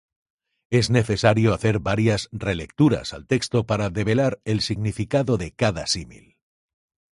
Es necesario hacer varias re-lecturas al texto para develar el significado de cada símil.